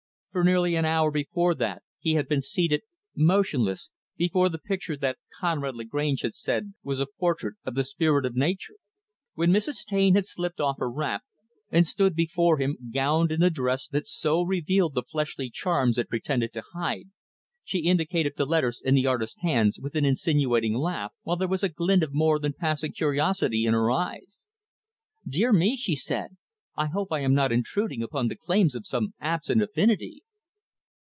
For nearly an hour before that, he had been seated, motionless, before the picture that Conrad Lagrange had said was a portrait of the Spirit of Nature. When Mrs. Taine had slipped off her wrap, and stood before him gowned in the dress that so revealed the fleshly charms it pretended to hide, she indicated the letters in the artist's hands, with an insinuating laugh; while there was a glint of more than passing curiosity in her eyes. "Dear me," she said, "I hope I am not intruding upon the claims of some absent affinity."